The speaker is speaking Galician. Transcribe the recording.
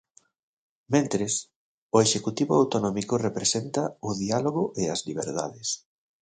Mentres, o Executivo autonómico representa "o diálogo e as liberdades".